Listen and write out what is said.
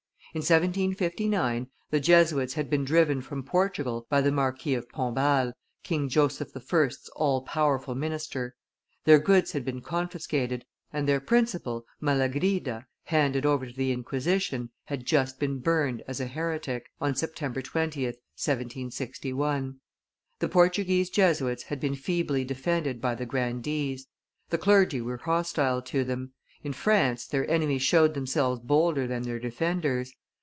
In 1759, the Jesuits had been driven from Portugal by the Marquis of Pombal, King Joseph I.'s all powerful minister; their goods had been confiscated, and their principal, Malagrida, handed over to the Inquisition, had just been burned as a heretic (Sept. 20, 1761). The Portuguese Jesuits had been feebly defended by the grandees; the clergy were hostile to them. In France, their enemies showed themselves bolder than their defenders.